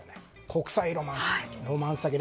国際ロマンス詐欺。